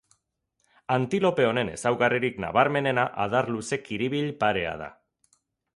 Antilope honen ezaugarririk nabarmenena adar luze kiribil parea da.